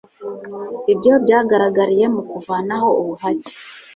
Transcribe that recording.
ibyo byagaragariye mu kuvanaho ubuhake